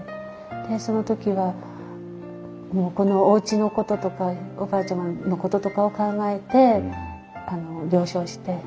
でその時はもうこのおうちのこととかおばあちゃまのこととかを考えてあの了承して。